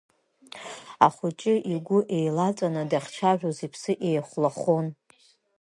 Ахәыҷы игәы еилаҵәаны дахьцәажәоз, иԥсы еихәлахон.